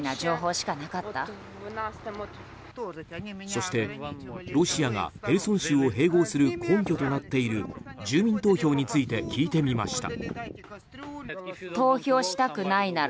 そして、ロシアがヘルソン州を併合する根拠となっている住民投票について聞いてみました。